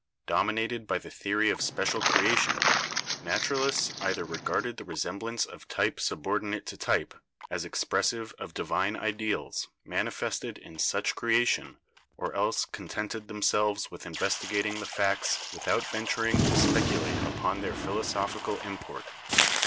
Dominated by the theory of special creation, naturalists either regarded the resem blance of type subordinate to type as expressive of divine ideals manifested in such creation or else contented them selves with investigating the facts without venturing to speculate upon their philosophical import.